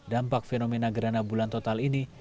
dampak fenomena gerhana bulan total ini